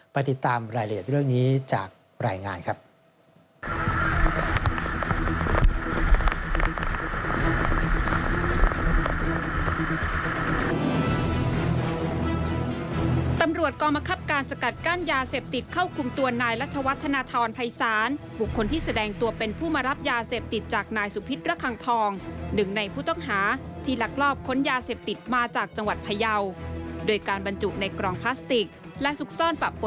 ติดตามรายละเอียดเรื่องนี้จากรายงานครับ